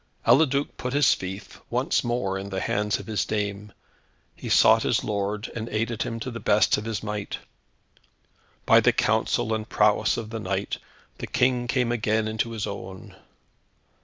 Eliduc put his fief once more in the hands of his dame. He sought his lord, and aided him to the best of his might. By the counsel and prowess of the knight, the King came again into his own.